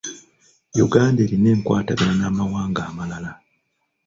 Uganda erina enkwatagana n'amawanga amalala.